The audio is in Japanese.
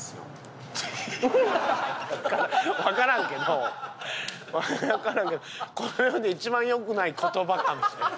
わからんけどわからんけどこの世で一番良くない言葉かもしれん。